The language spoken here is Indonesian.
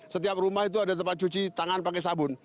setiap rumah itu ada tempat cuci tangan pakai sabun